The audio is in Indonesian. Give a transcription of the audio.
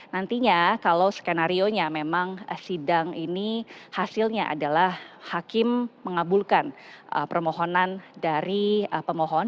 nantinya kalau skenario nya memang sidang ini hasilnya adalah hakim mengabulkan permohonan dari pemohon